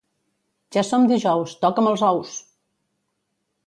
Ja som dijous, toca'm els ous!